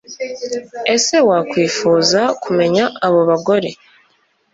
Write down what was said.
ese wakwifuza kumenya abo bagore